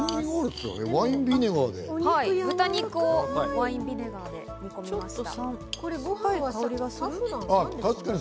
豚肉をワインビネガーで煮込みました。